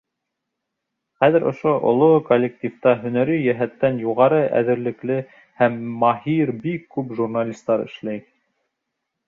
Хәҙер ошо оло коллективта һөнәри йәһәттән юғары әҙерлекле һәм маһир бик күп журналистар эшләй.